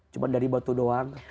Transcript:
cuma dari batu doang